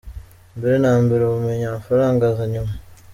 Mbere na mbere ubumenyi, amafaranga aza nyuma.